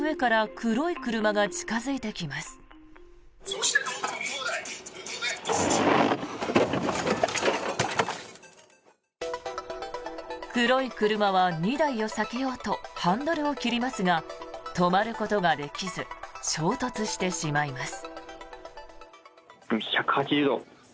黒い車は２台を避けようとハンドルを切りますが止まることができず衝突してしまいます。